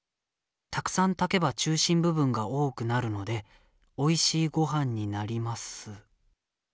たくさん炊けば中心部分が多くなるのでおいしいご飯になります」。